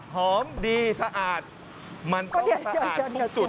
หอมดีสะอาดมันต้องสะอาดทุกจุด